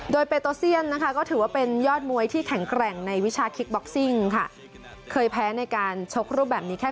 โดยเปรตโอเซียนนะคะก็ถือว่าเป็นยอดมวยที่แข็งแกร่งในวิชาคิกบ็อกซิ่งค่ะ